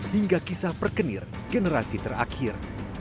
hingga kisah perkenir generasi terakhir